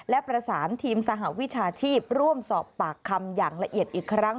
และประสานทีมสหวิชาชีพร่วมสอบปากคำอย่างละเอียดอีกครั้ง